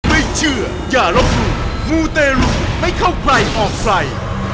ไม่เชื่ออย่าลบหลู่มูเตรุไม่เข้าใครออกใคร